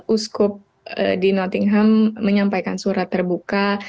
uskup di nottingham menyampaikan surat terbuka